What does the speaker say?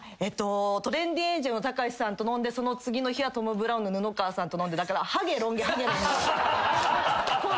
トレンディエンジェルのたかしさんと飲んでその次の日はトム・ブラウンの布川さんと飲んでだからはげロン毛はげロン毛。